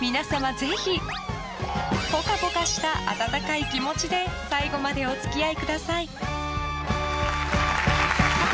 ぜひ、ぽかぽかした温かい気持ちで最後までお付き合いください。